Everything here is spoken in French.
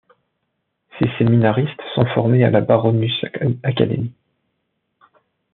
Ses séminaristes sont formés à la Baronius-Akademie.